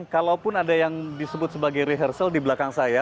kalaupun ada yang disebut sebagai rehearsal di belakang saya